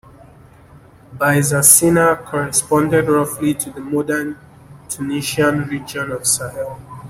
Byzacena corresponded roughly to the modern Tunisian region of Sahel.